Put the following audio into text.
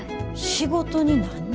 仕事になんの？